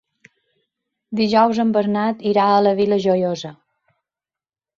Dijous en Bernat irà a la Vila Joiosa.